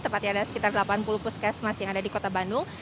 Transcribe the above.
tepatnya ada sekitar delapan puluh puskesmas yang ada di kota bandung